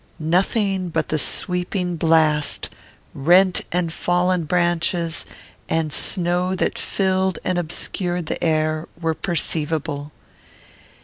Nothing but the sweeping blast, rent and fallen branches, and snow that filled and obscured the air, were perceivable.